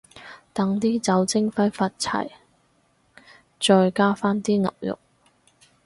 等啲酒精揮發齊，再加返啲牛肉